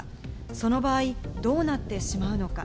その場合、どうなってしまうのか？